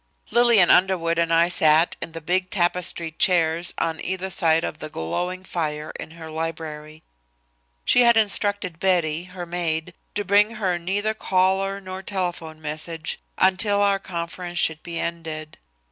Lillian Underwood and I sat in the big tapestried chairs on either side of the glowing fire in her library. She had instructed Betty, her maid, to bring her neither caller nor telephone message, until our conference should be ended.